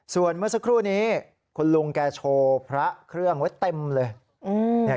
ส่วนเมื่อสักครู่นี้คุณลุงแกโชว์พระเครื่องไว้เต็มเลย